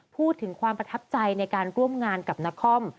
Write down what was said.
พูดถึงความประทับใจในการร่วมงานกับนคร